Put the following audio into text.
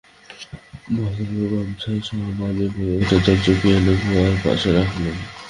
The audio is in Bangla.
ভদ্রলোক গামছা, সাবান এবং একটা জলচৌকি এনে কুয়ার পাশে রাখলেন।